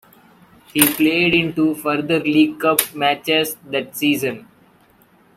He played in two further League Cup matches that season.